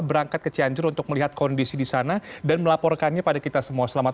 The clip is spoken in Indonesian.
berangkat ke cianjur untuk melihat kondisi di sana dan melaporkannya pada kita semua selamat